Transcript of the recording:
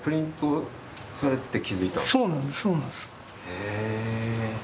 へえ。